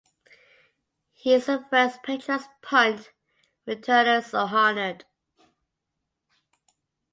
He is the first Patriots punt returner so honored.